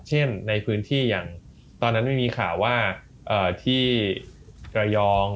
ในพื้นที่อย่างตอนนั้นไม่มีข่าวว่าที่ระยอง